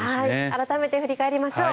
改めて振り返りましょう。